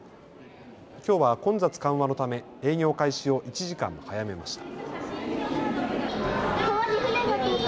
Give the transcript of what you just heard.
きょうは混雑緩和のため営業開始を１時間早めました。